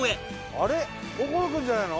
あれ心君じゃないの？